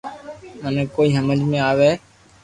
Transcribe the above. مني ڪوئي ھمج ۾ آوي